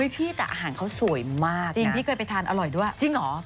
พี่แต่อาหารเขาสวยมากจริงพี่เคยไปทานอร่อยด้วยจริงเหรอ